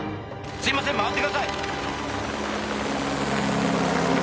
すいません回ってください。